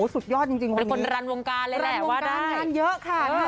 สุดยอดจริงจริงเป็นคนรันวงการเลยแหละว่าได้รันวงการงานเยอะค่ะเออ